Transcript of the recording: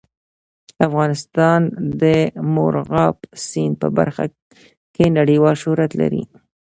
افغانستان د مورغاب سیند په برخه کې نړیوال شهرت لري.